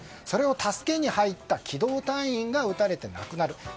それを助けに入った機動隊員が撃たれて亡くなる。